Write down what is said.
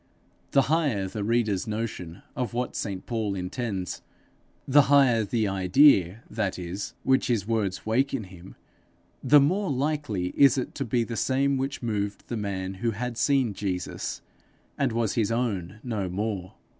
The higher the reader's notion of what St Paul intends the higher the idea, that is, which his words wake in him, the more likely is it to be the same which moved the man who had seen Jesus, and was his own no more.